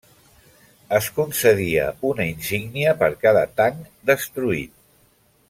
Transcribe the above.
Es concedia una insígnia per cada tanc destruït.